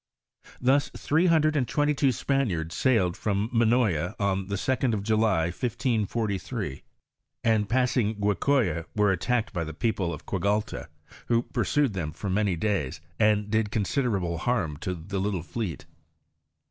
Thus three hundred and twenty two Spaniards sailed from Minoya on the 2d of July, 1543, and passing Guachoya, were attacked by the people of Quigalta, who pursbed them for many days, and did considerable harm to the little fleet.